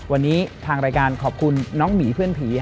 วันนี้ทางรายการขอบคุณน้องหมีเพื่อนผี